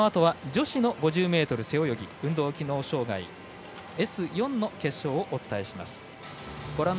このあとは女子の５０ｍ背泳ぎ運動機能障がいＳ４の決勝をお伝えします。